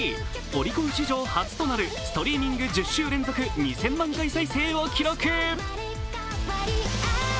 オリコン史上初となるストリーミング１０週連続２０００万回再生を記録。